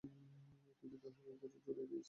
তিনি তাঁহাকে এই কাজে জুড়িয়া দিয়াছিলেন।